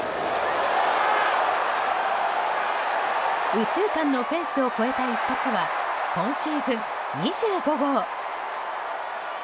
右中間のフェンスを越えた一発は今シーズン２５号。